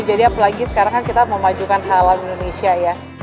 jadi apalagi sekarang kan kita memajukan halal indonesia ya